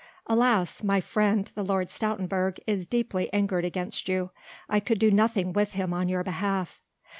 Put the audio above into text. Alas! my friend the Lord Stoutenburg is deeply angered against you. I could do nothing with him on your behalf."